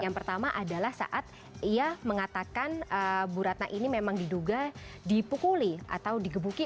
yang pertama adalah saat ia mengatakan bu ratna ini memang diduga dipukuli atau digebuki